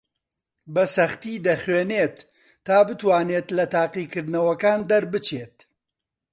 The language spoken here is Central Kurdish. بەسەختی دەخوێنێت تا بتوانێت لە تاقیکردنەوەکان دەربچێت.